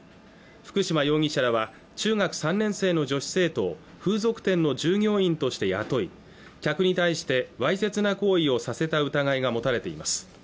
福島容疑者らは中学３年生の女子生徒を風俗店の従業員として雇い客に対してわいせつな行為をさせた疑いが持たれています